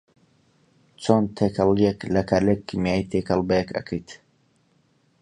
چۆن تێکەڵیەک لە کارلێکی کیمیایی تێکەڵ بەیەک ئەکەیت